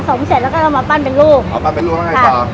ค่ะผสมเสร็จแล้วก็เรามาปั้นเป็นรูปอ๋อปั้นเป็นรูปอะไรต่อ